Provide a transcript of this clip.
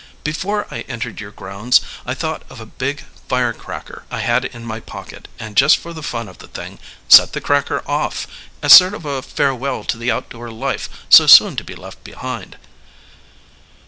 Before I entered your grounds I thought of a big fire cracker I had in my pocket, and just for the fun of the thing set the cracker off, as a sort of farewell to the outdoor life so soon to be left behind."